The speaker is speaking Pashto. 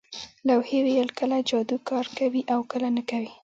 لوحې ویل کله جادو کار کوي او کله نه کوي